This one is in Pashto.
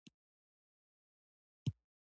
په موټر کې مې اېښي دي، ما ورته وویل: ته ویده شوې؟